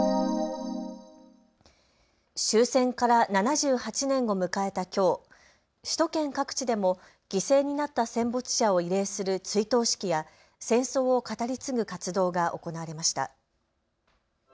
終戦から７８年を迎えたきょう、首都圏各地でも犠牲になった戦没者を慰霊する追悼式や戦争を語り継ぐ活動が行われました。